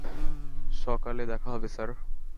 সকালে দেখা হবে স্যার।